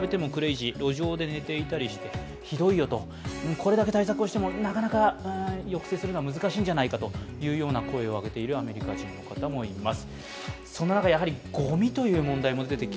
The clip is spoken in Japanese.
これだけ対策してもなかなか抑制するのは難しいんじゃないかと声を上げているアメリカ人の方もいます。